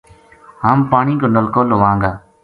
ہم پانی کو نلکو لواں گا